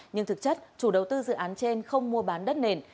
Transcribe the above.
nhưng thực chất chủ đầu tư dự án trên không mua bán đất nền